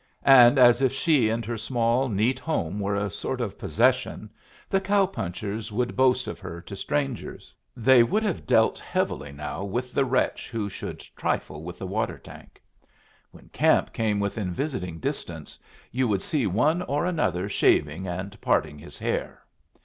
And as if she and her small, neat home were a sort of possession, the cow punchers would boast of her to strangers. They would have dealt heavily now with the wretch who should trifle with the water tank. When camp came within visiting distance, you would see one or another shaving and parting his hair.